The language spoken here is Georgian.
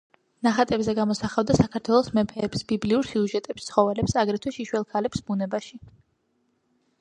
ნახატებზე გამოსახავდა საქართველოს მეფეებს, ბიბლიურ სიუჟეტებს, ცხოველებს, აგრეთვე შიშველ ქალებს ბუნებაში.